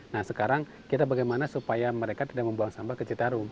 nah sekarang kita bagaimana supaya mereka tidak membuang sampah ke citarum